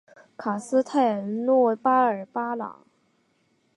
卡斯泰尔诺巴尔巴朗。